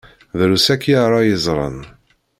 Drus akya ara yeẓṛen.